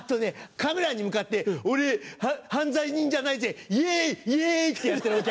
カメラに向かって「俺犯罪人じゃないぜイェイイェイ！」ってやってるお客。